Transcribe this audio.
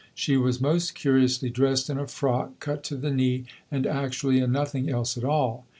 She was most curiously dressed in a frock cut to the knee, and actually in nothing else at all.